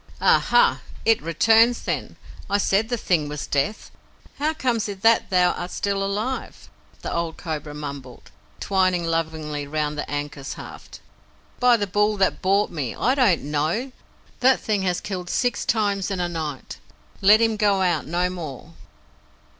"Ah ha! It returns, then. I said the thing was Death. How comes it that thou art still alive?" the old Cobra mumbled, twining lovingly round the ankus haft. "By the Bull that bought me, I do not know! That thing has killed six times in a night. Let him go out no more."